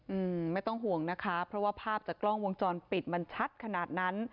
อืมไม่ต้องห่วงนะคะเพราะว่าภาพจากกล้องวงจรปิดมันชัดขนาดนั้น